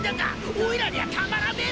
おいらにはたまらねえ